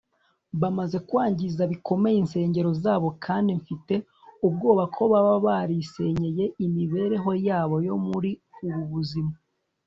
bamaze kwangiza bikomeye insengero zabo, kandi mfite ubwoba ko baba barisenyeye imibereho yabo yo muri ubu buzima